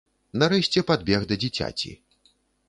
Нарэшце падбег да дзіцяці.